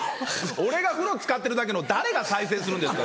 俺が風呂つかってるだけのを誰が再生するんですか。